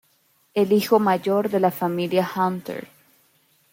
El hijo mayor de la familia Hunter.